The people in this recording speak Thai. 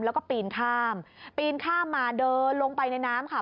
แล้วก็ปีนข้ามปีนข้ามมาเดินลงไปในน้ำค่ะ